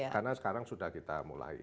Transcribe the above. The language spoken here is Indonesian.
karena sekarang sudah kita mulai